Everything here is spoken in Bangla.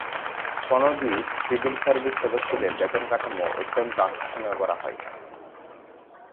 সনদী সিভিল সার্ভিস সদস্যদের বেতন কাঠামো অত্যন্ত আকর্ষণীয় করা হয়।